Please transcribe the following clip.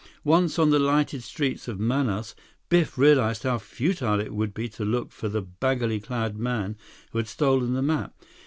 Once on the lighted streets of Manaus, Biff realized how futile it would be to look for the baggily clad man who had stolen the map.